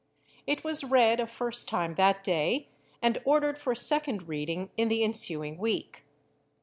It was read a first time that day, and ordered for a second reading in the ensuing week.